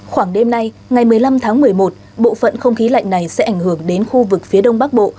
khoảng đêm nay ngày một mươi năm tháng một mươi một bộ phận không khí lạnh này sẽ ảnh hưởng đến khu vực phía đông bắc bộ